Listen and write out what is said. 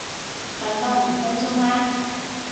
瞓多五分鐘啦